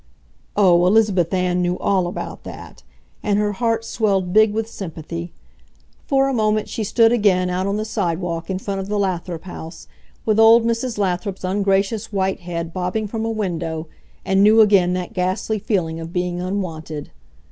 Oh, Elizabeth Ann knew all about that! and her heart swelled big with sympathy. For a moment she stood again out on the sidewalk in front of the Lathrop house with old Mrs. Lathrop's ungracious white head bobbing from a window, and knew again that ghastly feeling of being unwanted.